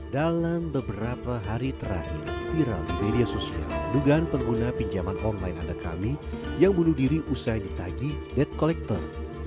dalam beberapa hari terakhir viral di media sosial dugaan pengguna pinjaman online andakami yang bunuh diri usai ditagi debt collector